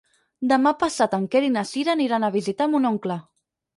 Demà passat en Quer i na Cira aniran a visitar mon oncle.